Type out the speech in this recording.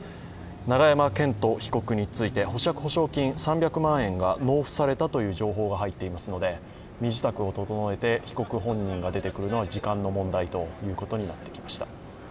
永山絢斗被告について、保釈保証金３００万円が納付されたという情報が入っていますので、身支度を整えて、被告本人が出てくるのは時間の問題となってきました。